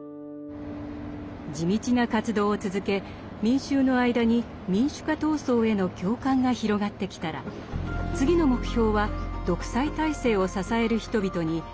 地道な活動を続け民衆の間に民主化闘争への共感が広がってきたら次の目標は独裁体制を支える人々に働きかけることです。